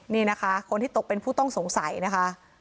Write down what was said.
นี่นะคะคนที่ตกเป็นผู้ต้องสงสัยนะคะ